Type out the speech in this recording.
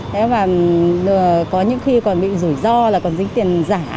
thế và có những khi còn bị rủi ro là còn dính tiền giả